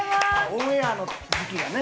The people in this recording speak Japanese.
オンエアの時期がね。